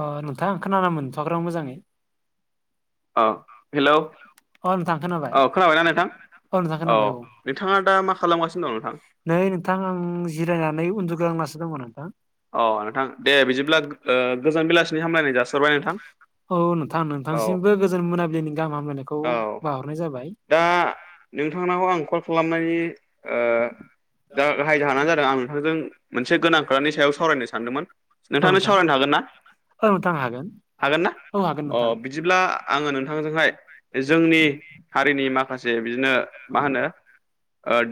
ओ नोंथां खोनाना मोनथ'याखैर' मोजाङै अ हेल' अ नोंथां खोनाबाय औ खोनाबायना नोंथां अ नोंथां औ खोनाबाय नोंथाङा दा मा खालामगासिनो दं नोंथां नै नोंथां आं जिरायनानै उन्दुगलनासो दङमोन नोंथां अ नोंथां औ न थ न दे बिदिब्ला ओ गोजोन बेलासिनि हामलायनाय जासिहरबाय नोंथां [unintelligible] औ थांसिमबो गोजोन मोनाबिलिनि गाहाम हामलायनायखौ बाहरनाय जाबाय नोंथांनाव‌ आं कल खालामनायनि दा गाहाय जाहोना जादों आं नोंथांजों मोनसे गोनां खोथानि सायाव सावरायनो सानदोंमोन औ नोंथांनो नोंथां सावरायनो हागोन ना औ नोंथां हागोन हागोन ना औ हागोन अ नोंथां बिदिब्ला आङो नोंथांजोंहाय जोंनि हारिनि माखासे बिदिनो मा होनो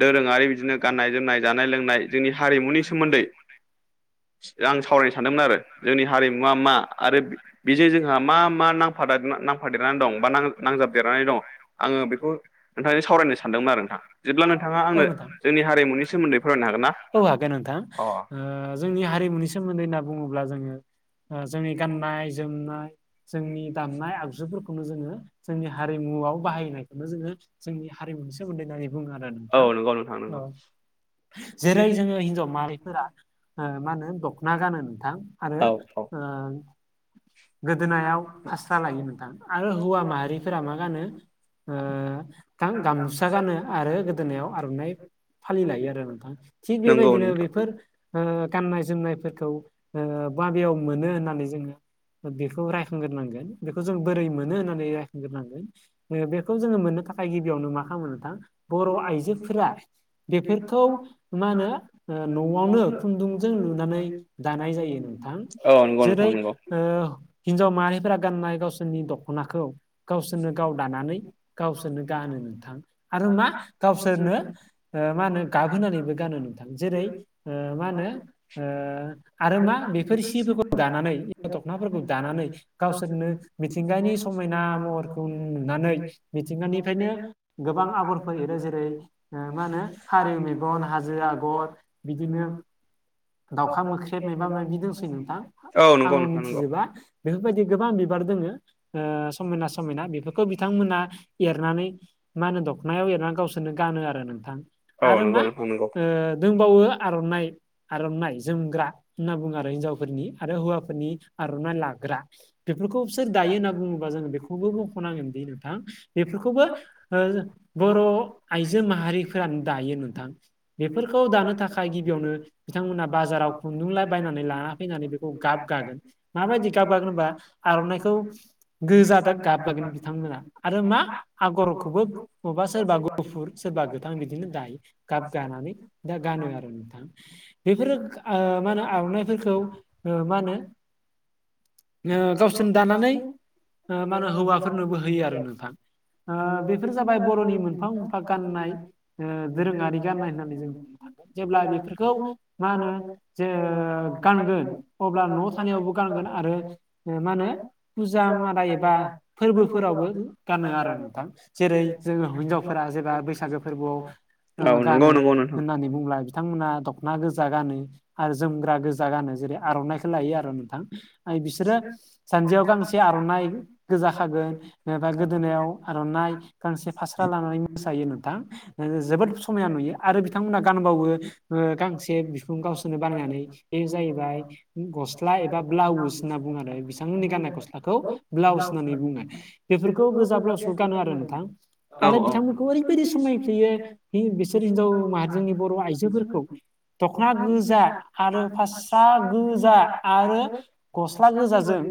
दोरोङारि बिदिनो गाननाय जोमनाय जानाय लोंनाय जोंनि हारिमुनि सोमोन्दै आं सावरायनो सानदोंमोन आरो जोंनि हारिमुवा मा आरो बेजों जोंहा मा मा नाम नांफ नांफादेरनानै दं बा न नांजाबदेरनानै दं आङो बेखौ नोंथांनि सावरायनो सानदोंमोन आरो नोंथा जेब्ला नोंथाङा औ आंनो नोंथां जोंनि हारिमुनि सोमोन्दै फोरमायनो हागोन औ हागोन नोंथां ना जोंनि हारिमुनि सोमोन्दै होनना बुङोब्ला जोङो जोंनि गाननाय जोमनाय जोंनि दामनाय आगजुफोरखौनो जोङो जोंनि हारिमुआव बाहायनायखौनो जोङो जोंनि हारिमुनि सोमोन्दै होननानै बुङो आरो नोंथां नंगौ नोंथां नंगौ औ जेरै जोङो हिनजाव माहारिफोरा मा होनो दख'ना गानो नोंथां औ आरो औ ओ गोदोनायाव फासरा लायो नोंथां आरो हौवा माहारिफोरा मा गानो गामसा गानो आरो गोदोनायाव आर'नाइ फालि लायो आरो नोंथां थिग नंगौ बेबायदिनो नोंथां बेफोर गाननाय जोमनायफोर ओ बाबेयाव मोनो होननानै जोङो बेखौ रायखांग्रोनांगोन बेखौ जों बोरै मोनो होननानै रायखांग्रोनांगोन बेखौ जोङो मोननो थाखाय गिबियावनो मा खालामो नोंथां बर' आइजोफोरा बेफोरखौ मा होनो न'आवनो खुन्दुंजों लुनानै दानाय जायो नोंथां औ नंगौ नोंथां जेरै नंगौ हिनजाव माहारिफोरा गाननाय गावसोरनि दख'नाखौ गावसोरनो गाव दानानै गावसोरनो गानो नोंथां आरो मा गावसोरनो मा होनो गाबहोनानैबो गानो नोंथां जेरै मा होनो आरो मा बेफोर सिफोरखौ दानानै दख'नाफोरखौ दानानै गावसोरनो मिथिंगानि समायना महरखौ नुनानै मिथिंगानिफ्रायनो गोबां आगरफोर एरो जेरै मा होनो फारौ मेगन हाजो आगर बिदिनो दाउखा मोख्रेब मयबा मायबि दंसै नोंथां औ नंगौ आंबो नोंथां नंगौ मिथिजोबा बेफोरबायदि गोबां बिबार दोङो समायना समायना बेफोर खौ बिथांमोना एरनानै मा होनो दखनायाव एरनानै गावसोरनो गानो आरो नोंथां औ आरो नंगौ मा नोंथां नंगौ दंबावो आर'नाइ आर'नाइ जोमग्रा होनना बुङो आरो हिन्जावफोरनि आरो हौवाफोरनि आर'नाइ लाग्रा बेफोरखौसोर दायो होनना बुङोब्ला जोङो बेखौबो बुंख'नांगोनदि नोंथां बेफोरखौबो ओ बर' आइजो माहारिफोरानो दायो नोंथां बेफोरखौ दानो थाखाय गिबियावनो बिथांमोनहा बाजाराव खुन्दुंलााय बायनानै लाना फैनानै बेखौ गाबगागोन माबायदि गाबगागोन होनबा आर'नाइखौ गोजाद गाबगागोन बिथांमोना आरो मा आगरखौबो अबेबा सोरबा गुफुर सोरबा गोथां बिदिनो दायो गाब गानानै दा गानो आरो नोंथां बेफोर ओ मा होनो आरव'नाइफोरखौ ओ मा होनो ओ गावसोरनो दानानै ओ मा होनो हौवाफोरनोबो होयो आरो नोंथां ओ बेफोर जाबाय बर'नि मोनफा मोनफा गाननाय ओ दोरोङारि गाननाय होननानै जों बुंनो थांगोन जेब्ला बेफोरखौ मा होनो जे गानगोन अब्ला न'आव थानायावबो गानगोन आरो मा होनो फुजा मादाय एबा फोरबोफोरावबो गानो आरो नोंथां जेरै जोङो हिनजावफोरा जेबा बैसागो फोरबोआव ओ औ नंगौ गानो नंगौ नोंथां होननानै बुंब्ला बिथांमोनहा दख'ना गोजा गानो आरो जोमग्रा गोजा गानो जेरै आर'नाइखौ लायो आरो नोंथां आरो बिसोरो जानजियाव गांसे आर'नाइ गोजाखागोन ओमफ्राय गोदोनायाव आर'नाइ गांसे फास्रा लानानै मोसायो नोंथां जोबोद समायाना नुयो आरो बिथांमोनहा गानबावो ओ गांसे बिखु गावसोर बानायनानै बे जाहैबाय गस्ला एबा ब्लाउस होनना बुङो आरो बिथांमोननि गाननाय गस्लाखौ ब्लाउस होननानै बुंओ बेफोरखौ गोजा ब्लाउसखौ गानो आरो नोंथां औ आरो औ बिथांमोन ओरैबायदि समायफैयो बिसोर हिनजाव माहारि जनि बर' आइजोफोरखौ दख'ना गोजा आरो फास्रा गोजा आरो गस्ला गोजाजों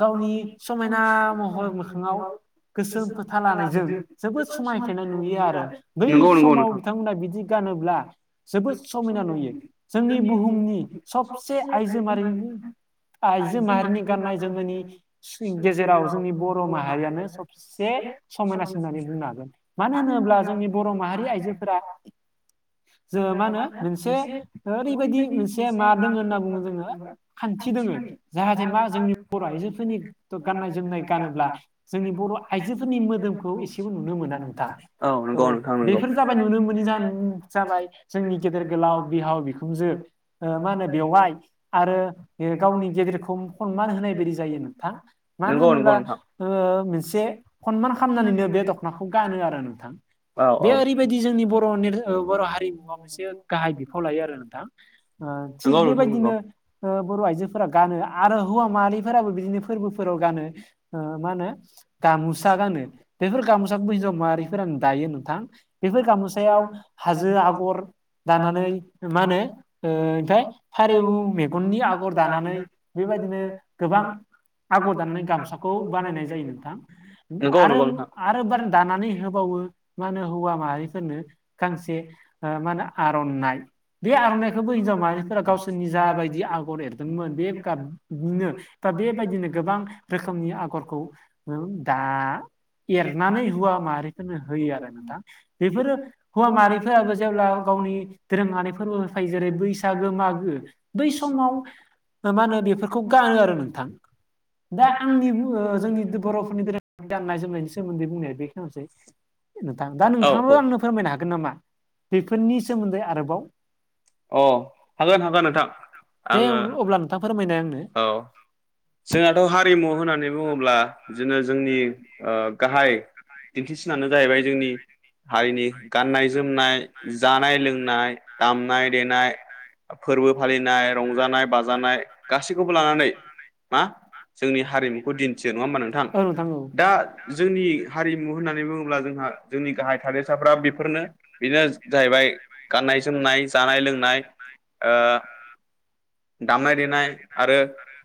गावनि समायना महर मोखांआव गोसोम फोथा लानायजों जोबोद समाय पेलेनाय नुयो आरो बै नंगौ नंगौ समाव नोंथां बिथांमोना बिदि गानोब्ला जोबोद समायना नुयो जोंनि बुहुमनि सबसे आइजो माहारिनि आइजो माहारिनि गाननाय जोमनायनि गेजेराव जोंनि बर' माहारियानो सबसे समायनासिन होननानै बुंनो हागोन मानो होनोब्ला जोंनि बर' माहारि आइजोफोरा जोङो मा होनो मोनसे ओरैबायदि मोनसे मा दोङो होनना बुङो जोङो खान्थि दोङो जाहाथे मा जोंनि बर' आइजोफोरनि गाननाय जोमनाय गानोब्ला जोंनि बर' आइजोफोरनि मोदोमखौ एसेबो नुनो मोना नोंथां औ नंगौ नोंथां नंगौ बेफोर जाबाय नुनो मोनि जाहोन जाबाय जोंनि गेदेर गोलाव बिहाव बिखु जो ओ मा होनो बेवाय आरो बियो गावनि गेदेरखौ हनमान होनाय बायदि जायो नोंथां मानो नंगौ नंगौ होनोब्ला नोंथां ओ मोनसे खनमान खामनानैनो बे दख'नाखौ गानो आरो नोंथां औ औ बे ओरैबायदि जोंनि बर' ओ बर' हारिनि [unintelligible] गाहाय बिफाव लायो नोंथां ओ थिग नंगौ नोंथां नंगौ बेबायदिनो ओ बर' आयजो फोरा गानो आरो हौवा माहारिफोराबो बिदिनो फोरबोफोराव गानो ओ मा होनो? गामुसा गानो बेफोर गामुसाखौबो हिनजाव माहारिफोरानो दायो नोंथां बेफोर गामुसायाव हाजो आगर दानानै मा होनो ओ ओमफाय फारौ मेगननि आगर दानानै बेबायदिनो गोबां आगर दानानै गामसाखौ बानायनाय जायो नोंथां नंगौ आरो नंगौ नोंथां आरो बार दानानै होबावो मा होनो हौवा माहारिफोरनो गांसे ओ मा होनो आर'नाइ बे आर'नाइखौबो हिनजाव माहारिफोरा गावसोरनि जाबायदि आगर एरदोंमोन बे गाबनो दा बेबायदिनो गोबां रोखोमनि आगरखौ दा एरनानै हौवा माहारिफोरनो होयो आरो नोंथां बेफोरो हौवा माहारिफोराबो जेब्ला गावनि दोरोंआरिफोरबो होफायो जेरै बैसागो मागो बै समाव ओ मा होनो बेफोरखौ गानो आरो नोंथां। दा आंनि जोंनि बर'हारिनि गान्नाय जोमनायनि सोमोन्दै बुंसै नोंथां दा औ औ नोंथाङाबो बेफोरनि सोमोन्दै अरोबाव। अ हागोन हागोन नोंथां दे आङो अब्ला नोंथां फोरमायना होलाय। औ। जोंनाथ' हारिमु होननानै बुङोब्ला बिदिनो जोंनि गाहाय दिन्थिसिनानो जाहैबाय जोंनि हारिनि गाननाय जोमनाय जानाय लोंनाय दामनाय देनाय फोरबो फालिनाय, रंजानाय-बाजानाय गासैखौबो लानानै मा जोंनि हारिमुखौ दिन्थियो नङा होमबा नोंथां औ औ दा जोंनि हारिमु होननानै बुङोब्ला जोंहा जोंनि गाहाय थादेरसाफ्रा बेफोरनो बेनो सानाय जाहैबाय गाननाय जानाय‌ जोमनाय जानाय लोंनाय लोंनाय बिदिनो ओ दामनाय देनाय आरो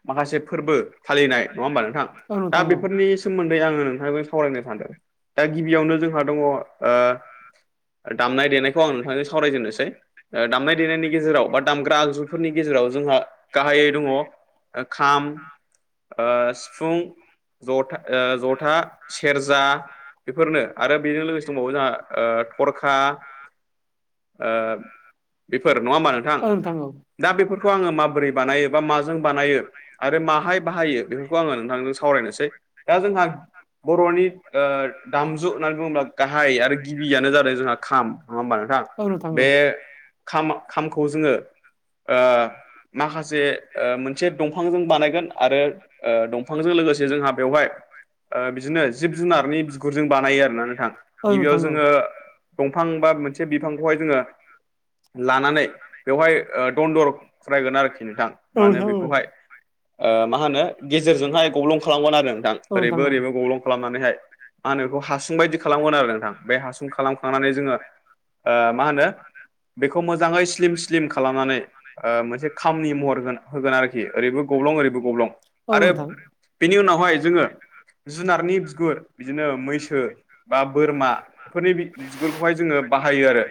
माखासे फोरबो फालिनाय नङा होमबा नोंथां औ दा नोंथां औ। बेफोरनि सोमोन्दै आङो नोंथां सावरायनो सानदों दा गिबियावनो जोंहा दङ ओ दामनाय-देनायखौ आं नोंथांजों सावरायजेननोसै दामनाय-देनायनि गेजेराव बा दामग्रा आगजु फोरनि गेजेराव जोंहा गाहायै दङ खाम ओ सिफुं जथा जथा, सेरजा, बेफोरनो आरो बेजों लोगोसे दंबावो जोंहा थरखा ओ बेफोर नङाहोमबा नोंथां औ औ दा बेफोरखौ आङो माबोरै? बानायनायो बा मा जों बानायो आरो माहाय बाहायो बेफोरखौ आङो नोंथांजों सावरायनोसै दा जोंहा बर'नि ओ दामजु होननानै बुङोब्ला गाहाय आरो गिबियानो जादों जोंहा खाम नङा होमबा नोंथां औ नोंथां औ बे खाम-खामखौ जोङो ओ माखासे मोनसे दंफांजों बानायगोन आरो दंफांजों लोगोसे जोंहा बेवहाय ओ बिदिनो जिब-जुनारनि बिगुरजों बानायो आरोना नोंथां औ गिबियाव नोंथां औ जोङो दंफां बा मोनसे बिफांखौहाय जोङो लानानै बेवहाय दन्दर खुरायगोन आरोखि नोंथां औ मानो नोंथां औ बेखौहाय ओ मा होनो गेजेरजोंहाय गब्लं खालामगोन आरो नोंथां औ औ ओरैबो-ओरैबो गब्लं खालामनानैहाय मा होनो बेखौ हासुं बायदि खालामगोन आरो नोंथां बे हासुं खालाम थांनानै जोङो ओ मा होनो बेखौ मोजाङै स्लिम-स्लिम खालामनानै ओ मोनसे खामनि महर होग होगोन आरोखि ओरैबो गब्लं ओरैबो गब्लं औ आरो नोंथां औ नोंथां औ बेनि उनावहाय जोङो जुनारनि बिगुर बिदिनो मैसो बा बोरमा बेफोरनि बिगुरखौहाय जोङो बाहायो आरो।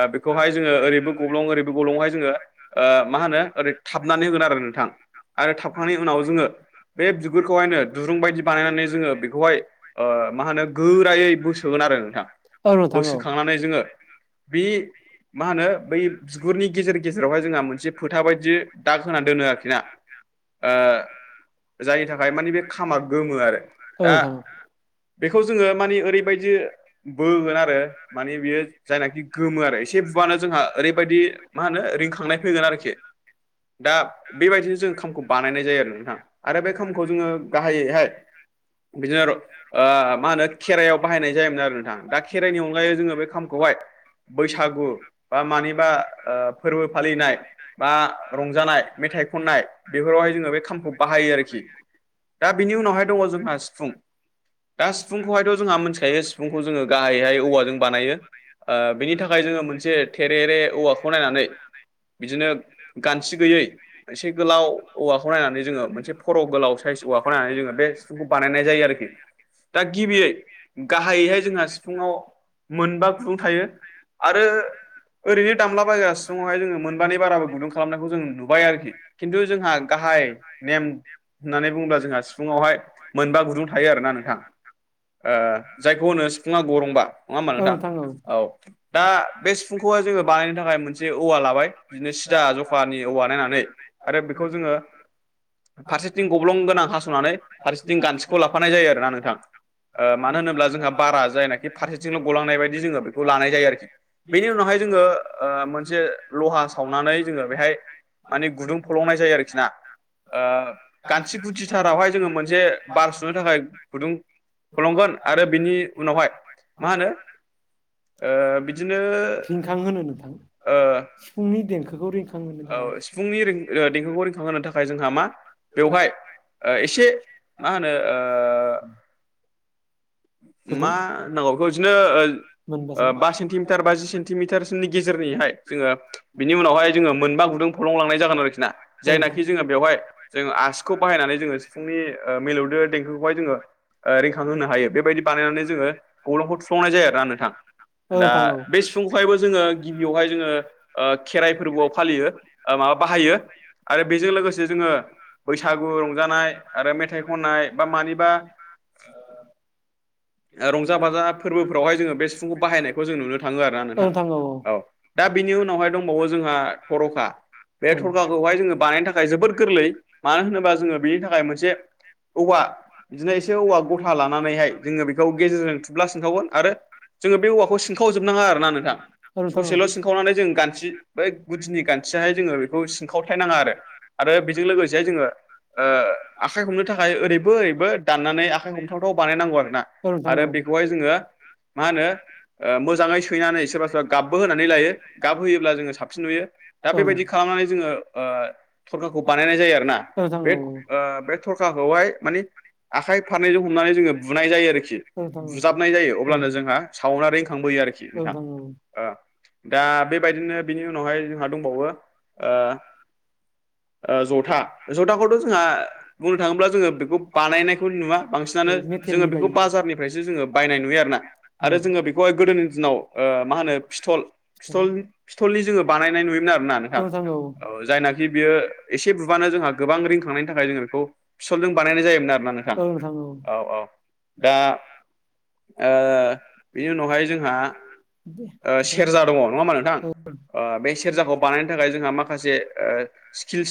ओ बेखौहाय जोङो ओरैबो गब्लं ओरैबो गब्लं हाय जोङो ओ मा होनो ओरै थाबनानै होगोन आरो नोंथां आरो थाबखांनायनि उनाव जोङो बे बिगुरखौहायनो दुरुं बायदि बानायनानै जोङो बेखौहाय मा होनो ओ गोरायै बोसोगोन आरो नोंथां। औ नोंथां बोसो औ खांनानै जोङो बे मा होनो बै बिगुरनि गेजेर गेजेरावहाय जोंहा मोनसे फोथा बायदि दाग होनानै दोनो आरोखि ना ओ जायनि थाखाय मानि बे खामा गोमो आरो औ दा बेखौ जोङो मानिओरैबायदि बोगोन आरो मानि बियो जायनाखि गोमो आरो एसे बुआनो जोंहा ओरैबायदि मा होनो रिखांनाय होगोन आरोखि दा बेबायदिनो जों खामखौ बानायनाय जायो आरो नोंथाङा आरो बे खामखौ जोङो गाहायैहाय बिदिनो ओ मा होनो खेराइायाव बाहायनाय जायोमोन आरो नोंथां। दा खेराइनि अनगायै जोङो बे खामखौहाय बैसागु बा मानिबा ओ फोरबो फालिनाय बा रंजानाय मेथाइ खननाय बेफोरावहाय जोङो बे खामखौ बाहायो आरोखि दा बिनि उनावहाय दङ जोंहा सिफुं दा सिफुंखौहायथ' जोंहा मिथिखायो सिफुंखौ जों ओ बिनि थाखाय जोङो म मोनसे थेरेरे औवाखौ नायनानै बिदिनो [unintelligible] गानथि गैयै [unintelligible] औ मोनसे फर' गोलाव साइजा औवाखौ नायनानै जोङो बे सिफुंखौ बानायनाय जायो आरोखि। दा गिबियै, गाहायैहाय जोंहा सिफुङाव मोनबा मोनबा गुदुं हायोखायो थायो आरो आरो फ्र [unintelligible] ओरैनो दामला बायग्रा सिफुंवावहाय जोङो मोन बानि बाराबो गुदुं खालामनायखौ जों नुबाय आरोखि। खिन्थु जोंहा गाहाय नेम होननानै बुङोब्ला जोंहा सिफुुंवावहाय मोनबा गुदुं थायो आरोना नोंथां। ओ जायखौ होनो सिफुङा गरंबा नङा होमबा नोंथां। औ दा बे सिफुंखौहाय जोङो बानायनो थाखाय मोनसे औवा लाबाय। बिदिनो सिदा जखानि औवा म नायनानै आरो बेखौ जोङो [unintelligible] फारसेथिं गब्लं गोनां हास'नानै फारसेथिं गान्थिखौ लाफानाय जायो आरोना नोंथां। ओ मानो होनोब्ला जोंहा बारा जायनाखि फारसेथिंल' गलांनाय बायदि जोङो बेखौ लानाय जायो आरोखि। बेनि उनावहाय जोङो ओ मोनसे लहा सावनानै जोङो बेहाय माने गुदुं फलंनाय जायो आरोखि ना। ओ गान्थि गुदिथारावहाय जोङो मोनसे बार सुनो थाखाय गुदुं फलंगोन आरो बिनि उनावहाय मा होनो ओ बिदिनो [inaudible] ओ फुंनि देंखोखौ रिखांहोनो थाखाय औ सिफुंनि रिं ओ देंखोखौ रिंखांहोनो थाखाय जोंहा मा [inaudible] बेवहाय बेवहाय ओ इसे मा होनो ओ मा गुदुं नांगौ बेखौ बिदिनो ओ मोनबासो ओ बा सेन्टिमिटार बा जि सेन्टिमिटारसोनि गेजेरनिहाय जोङो बिनि उनावहाय जोङो मोनबा गुदुं फलंलांनाय जागोन आरोखि ना औ जायनाखि जोङो बेवहाय नोंथां जों आसिखौ बाहायनानै जोङो सिफुंनि ओ मिलौदो देंखोखौहाय जोङो ओ रिखां होनो हायो। बेबायदि बानायनानै जोङो गब्लंखौ थुफ्लंनाय जायो आरोना नोंथां। औ दा नोंथां औ बे सिफुंखौहायबो जोङो गिबियावहाय जोङो खेराइ ओ फोरबोआव फालियो। ओ माबा बाहायो। आरो बेजों लोगोसे जोङो बैसागु रंजानाय आरो मेथाइ खननाय बा मानिबा ओ रंजा बाजा फोरबोफोरावहाय जोङो बे सिफुंखौ बाहायनायखौ जों नुनो थाङो आरोना नोंथां। औ। दा बिनि उनावहाय दंबावो जोंहा थर'खा। बे थरखाखौहाय जोङो बानायनो थाखाय जोबोद गोरलै मानो होनोबा जोङो बेनि थाखाय मोनसे [unintelligible] औवा बिदिनो एसे औवा ग'था लानानैहाय जोङो बेखौ गेजेरजों थुब्ला सिनखावगोन आरो जोङो बे औवाखौ सिनखावजोबनाङा आरोना नोंथां। औ नोंथां औ नोंथां औ नोंथां औ ससेल' सिनखावनानै जों गानथि बै गुदिनि गानथियाहाय जोङो बेखौ सिनखावथाय नाङा आरो। आरो बेजों लोगोसे जोङो ओ आखाइ हमनो थाखाय ओरैबो ओरैबो दाननानै आखाइ हमथावथाव बानायनांगौ आरो। ना नोंथां औ आरो बेखौहाय जोङो मा होनो ओ मोजाङै सैनानै सोरबा सोरबा गाबबो होनानै लायो। गाब होयोब्ला जोङो साबसिन नुयो। दा बेबायदि खालामनानै ओ जोङो थरखाखौ बानायनाय जायो आरोना बे ओ बे थरखाखौहाय मानि आखाइ फारनैजों हमनानै जोङो बुनाय जायो आरोखि। खि। बुजाबनाय जायो अब्लानो जोंहा सावनानै रोंखांबोयो आरोखि औ नोंथां। औ ओ दा बेबायदिनो बिनि उनावहाय जोंहा दंबावो। ओ ओ ज'था ज'थाखौथ' जोंहा बुंनो थाङोब्ला जोङो बेखौ बानायनायखौ नुवा बांसिनानो। जोङो मेटेलनि बेखौ बायो औ बाजारनिफ्रायसो जोङो बायनाय नुयो आरोना औ नोंथां आरो जोङो बेखौहाय गोदोनि दिनाव औ ओ मा होनो औ फिथल। फिथल फिथलनि जोङो बानायनाय नुयोमोन आरोना नोंथां। औ जायनाखि बेयो ओ एसे बुबानो जोंहा गोबां रिंखांनायनि थाखाय जोङो बेखौ फिटलजों बानायनाय जायोमोन आरोना नोंथां‌। औ अ। दा नोंथाङा ओ बेनि उनावहाय जोंहा दे ओ सेरजा दङ नङा होनबा नोंथां। ओ बे सेरजाखौ बानायनो थाखाय जोंहा माखासे ओ स्किल्ससिब